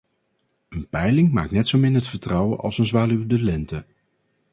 Een peiling maakt net zo min het vertrouwen als een zwaluw de lente.